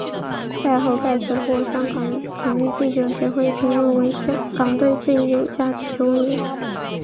赛后再次获香港体育记者协会评选为港队最有价值球员。